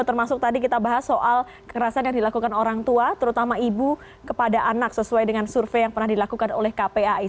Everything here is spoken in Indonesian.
termasuk tadi kita bahas soal kekerasan yang dilakukan orang tua terutama ibu kepada anak sesuai dengan survei yang pernah dilakukan oleh kpai